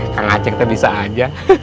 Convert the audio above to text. kang aceh kita bisa aja